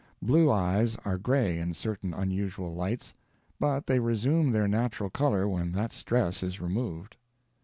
Blue eyes are gray in certain unusual lights; but they resume their natural color when that stress is removed.